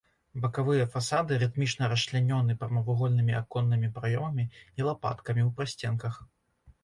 Бакавыя фасады рытмічна расчлянёны прамавугольнымі аконнымі праёмамі і лапаткамі ў прасценках.